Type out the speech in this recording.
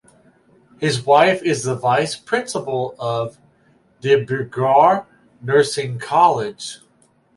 His wife is the vice Principal of Dibrugarh Nursing College.